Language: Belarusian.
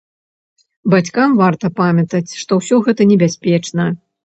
Бацькам варта памятаць, што ўсё гэта небяспечна.